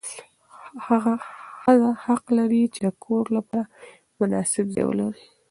ښځه حق لري چې د کور لپاره مناسب ځای ولري.